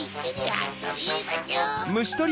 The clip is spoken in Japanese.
あ！